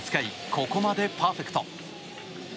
ここまでパーフェクト。